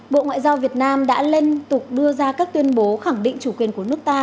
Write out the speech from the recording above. bộ ngoại giao việt nam đã liên tục đưa ra các tuyên bố khẳng định chủ quyền của nước ta